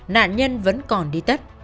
nạn nhân vẫn còn đi tất